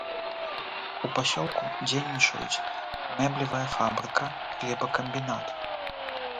У пасёлку дзейнічаюць мэблевая фабрыка, хлебакамбінат.